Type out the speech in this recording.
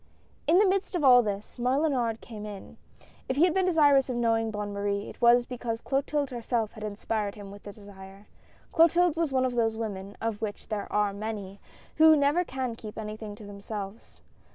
In the midst of all this, Mellunard came in ; if he had been desirous of knowing Bonne Marie, it was because Clotilde herself had inspired him with the desire. Clotilde was one of those women, of which there are many, who never can keep anything to them selves.